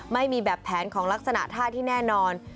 ไม่มีแบบแผนของลักษณะท่าที่แน่นอน